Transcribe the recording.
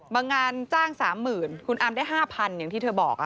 บางงานจ้าง๓๐๐๐๐คุณอาร์มได้๕๐๐๐อย่างที่เธอบอกค่ะ